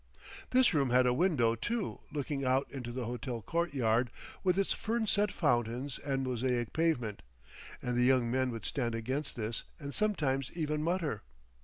This room had a window, too, looking out into the hotel courtyard with its fern set fountains and mosaic pavement, and the young men would stand against this and sometimes even mutter.